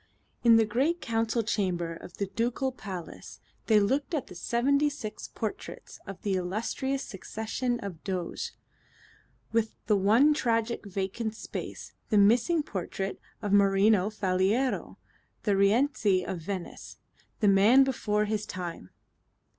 In the great Council Chamber of the Ducal Palace they looked at the seventy six portraits of the illustrious succession of Doges with the one tragic vacant space, the missing portrait of Marino Faliero, the Rienzi of Venice, the man before his time.